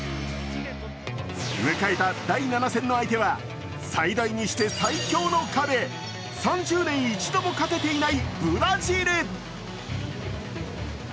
迎えた第７戦の相手は最大にして最強の壁、３０年一度も勝てていないブラジル。